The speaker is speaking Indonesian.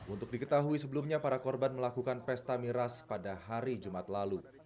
untuk diketahui sebelumnya para korban melakukan pesta miras pada hari jumat lalu